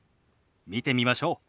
見てみましょう。